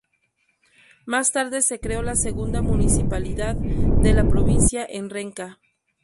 Más tarde se creó la segunda municipalidad de la provincia, en Renca.